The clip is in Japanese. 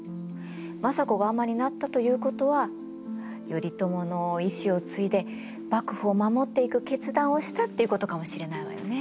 政子が尼になったということは頼朝の遺志を継いで幕府を守っていく決断をしたっていうことかもしれないわよね。